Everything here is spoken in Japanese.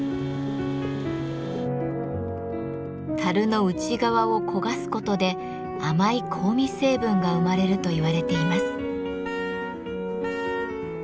樽の内側を焦がすことで甘い香味成分が生まれると言われています。